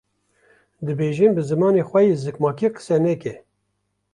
dibêjin bi zimanê xwe yê zikmakî qise neke?